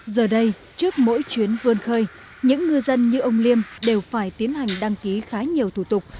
giờ đây trước mỗi chuyến vươn khơi những ngư dân như ông liêm đều phải tiến hành đăng ký khá nhiều thủ tục